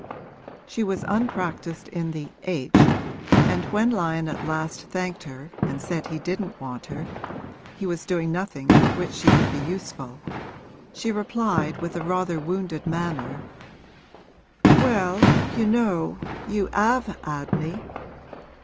She was unpractised in the h, and when Lyon at last thanked her and said he didn't want her he was doing nothing for which she could be useful she replied with rather a wounded manner, 'Well, you know you 'ave 'ad me!'